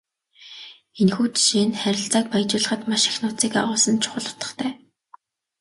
Энэхүү жишээ нь харилцааг баяжуулахад маш их нууцыг агуулсан чухал утгатай.